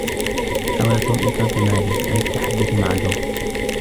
حاول توم إيقاف ماري عن التحدث مع جون.